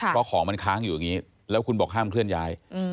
เพราะของมันค้างอยู่อย่างนี้แล้วคุณบอกห้ามเคลื่อนย้าย